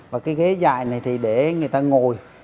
và cái ghế dài này thì để người ta ngồi